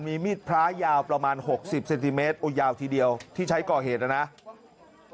มีมีดพระยาวประมาณ๖๐เซนติเมตรโอ้ยาวทีเดียวที่ใช้ก่อเหตุนะครับ